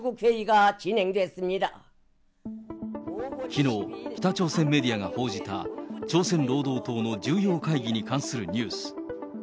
きのう、北朝鮮メディアが報じた朝鮮労働党の重要会議に関するニュース。